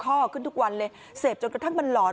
ขึ้นทุกวันเลยเสพจนกระทั่งมันหลอน